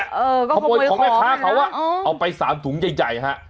เออก็ขโมยของนะนะขโมยของแม่ค้าเขาว่าเอาไป๓ถุงใหญ่ฮะ